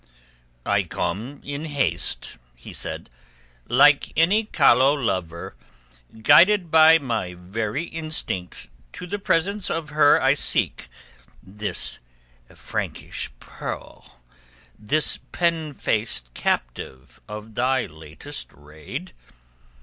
"I come in haste," he said, "like any callow lover, guided by my every instinct to the presence of her I seek—this Frankish pearl, this pen faced captive of thy latest raid.